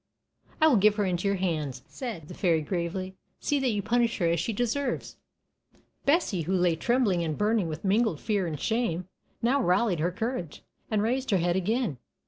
"I will give her into your hands," said the fairy, gravely. "See that you punish her as she deserves." Bessie, who lay trembling and burning with mingled fear and shame, now rallied her courage, and raised her head again.